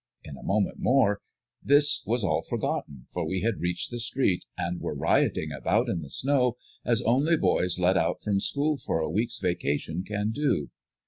In a moment more this was all forgotten, for we had reached the street, and were rioting about in the snow as only boys let out from school for a week's vacation can do.